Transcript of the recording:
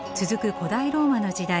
古代ローマの時代